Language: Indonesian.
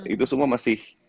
itu semua masih